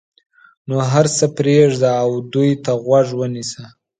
نو هر څه پرېږده او دوی ته غوږ ونیسه.